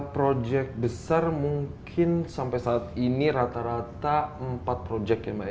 proyek besar mungkin sampai saat ini rata rata empat proyek ya mbak ya